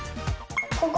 ここ？